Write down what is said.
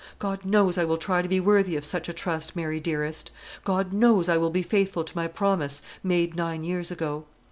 God knows I will try to be worthy of such a trust, Mary dearest; God knows I will be faithful to my promise, made nine years ago."